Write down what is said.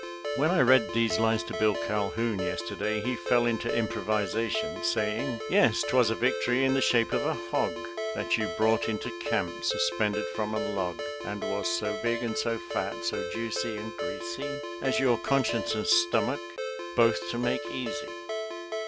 When I read those lines to Bill Calhoun yes terday, he fell into improvisation, saying, "Yes, 'twas a victory In the shape of a hog. That you brought into camp, suspended from a log, And was so big and so fat, so juicy and greasy, As your conscience and stomach, both to make easy."